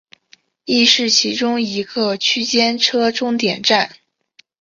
亦是其中一个区间车终点站。